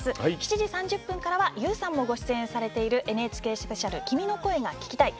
夜７時半からはＹＯＵさんもご出演されているＮＨＫスペシャル「君の声が聴きたい」。